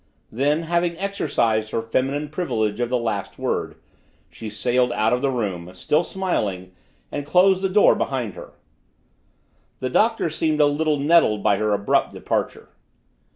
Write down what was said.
Then, having exercised her feminine privilege of the last word, she sailed out of the room, still smiling, and closed the door behind her. The Doctor seemed a little nettled by her abrupt departure.